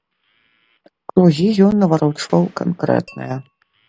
Кругі ён наварочваў канкрэтныя.